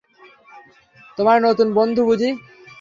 তোমার নতুন বন্ধু বুঝি?